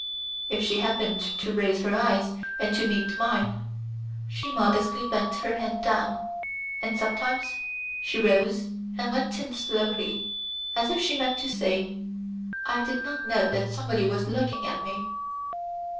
If she happened to raise her eyes and to meet mine, she modestly bent her head down, and sometimes she rose and went in slowly, as if she meant to say, "I did not know that somebody was looking at me."